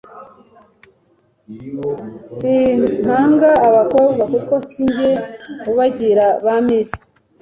Sinkanga abakobwa kuko si njye ubagira ba Miss